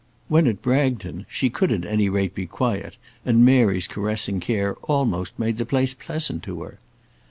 When at Bragton she could at any rate be quiet, and Mary's caressing care almost made the place pleasant to her.